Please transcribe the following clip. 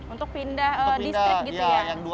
untuk pindah distrik gitu ya